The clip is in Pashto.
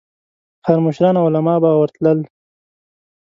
ښار مشران او علماء به ورتلل.